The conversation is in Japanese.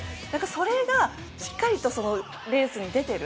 それがしっかりとレースに出ている。